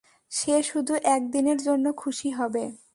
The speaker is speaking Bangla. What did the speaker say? সে শুধু একদিনের জন্য খুশি হবে।